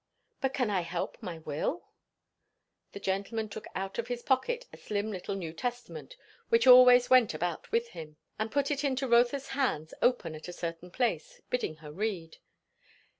"But can I help my will?" The gentleman took out of his pocket a slim little New Testament which always went about with him, and put it into Rotha's hands open at a certain place, bidding her read.